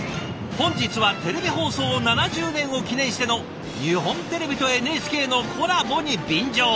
本日はテレビ放送７０年を記念しての日本テレビとＮＨＫのコラボに便乗。